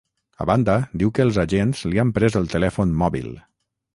A banda, diu que els agents li han pres el telèfon mòbil.